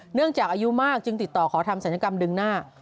เนื่องจากอายุมากจึงติดต่อขอทำศัลยกรรมดึงหน้า